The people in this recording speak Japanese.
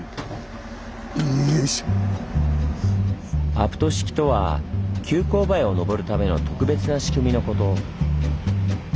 アプト式とは急勾配を登るための特別な仕組みのこと。